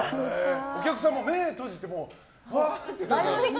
お客さんも目を閉じてふわーって。